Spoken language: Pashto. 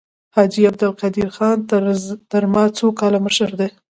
حاجي عبدالقدیر خان تر ما څو کاله مشر دی.